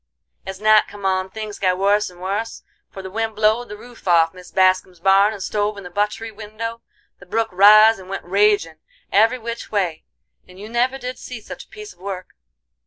As night come on things got wuss and wuss, for the wind blowed the roof off Mis Bascum's barn and stove in the butt'ry window; the brook riz and went ragin' every which way, and you never did see such a piece of work.